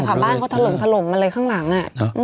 หลังบ้านเขาพังหมดเลยค่ะบ้านเขาถล่มถล่มมาเลยข้างหลังเนี่ย